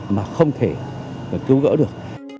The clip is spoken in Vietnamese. mà không thể cứu gỡ được